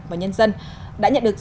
và nhân dân đã nhận được